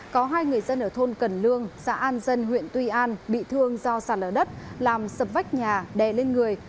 có hai người dân ở thôn cần lương xã an dân huyện tuy an bị thương do sàn lở đất làm sập vách nhà đè lên người